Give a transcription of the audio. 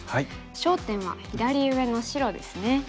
焦点は左上の白ですね。